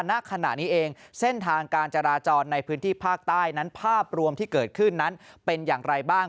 ณขณะนี้เองเส้นทางการจราจรในพื้นที่ภาคใต้นั้นภาพรวมที่เกิดขึ้นนั้นเป็นอย่างไรบ้าง